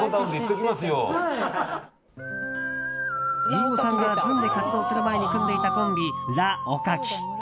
飯尾さんがずんで活動する前に組んでいたコンビＬａ．おかき。